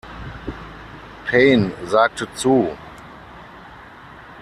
Payne sagte zu.